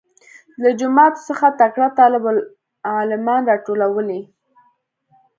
له جوماتو څخه تکړه طالب العلمان راټولوي.